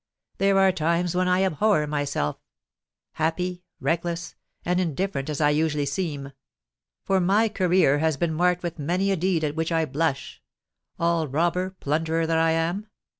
There are times when I abhor myself—happy, reckless, and indifferent as I usually seem;—for my career has been marked with many a deed at which I blush—all robber, plunderer that I am!